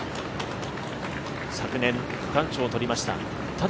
昨年、区間賞を取りました。